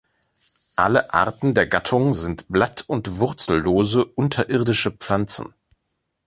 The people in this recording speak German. Alle Arten der Gattung sind blatt- und wurzellose, unterirdische Pflanzen.